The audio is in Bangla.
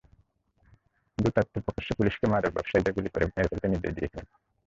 দুতার্তে প্রকাশ্যে পুলিশকে মাদক ব্যবসায়ীদের গুলি করে মেরে ফেলতে নির্দেশ দিয়েছেন।